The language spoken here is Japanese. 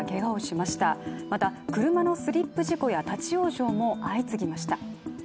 また、車のスリップ事故や立往生も相次ぎました。